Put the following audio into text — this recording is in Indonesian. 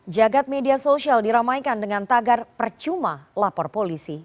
jagat media sosial diramaikan dengan tagar percuma lapor polisi